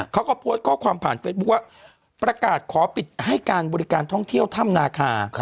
เขาก็โพสต์ข้อความผ่านเฟซบุ๊คว่าประกาศขอปิดให้การบริการท่องเที่ยวถ้ำนาคา